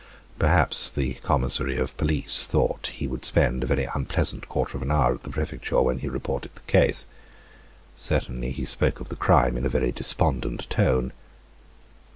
Perhaps the commissary of police thought he would spend a very unpleasant quarter of an hour at the prefecture when he reported the case. Certainly, he spoke of the crime in a very despondent tone.